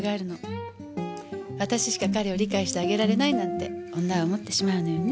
私しか彼を理解してあげられないなんて女は思ってしまうのよね。